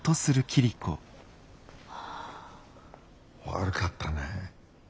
悪かったな。